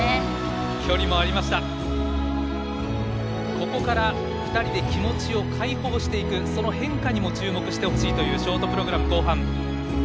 ここから２人で気持ちを解放していくその変化にも注目してほしいというショートプログラム後半。